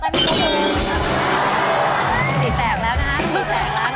เสียงแตกแล้วนะฮะ